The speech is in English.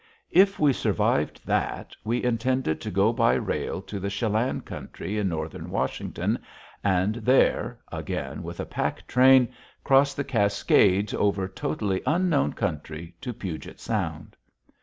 If we survived that, we intended to go by rail to the Chelan country in northern Washington and there, again with a pack train, cross the Cascades over totally unknown country to Puget Sound.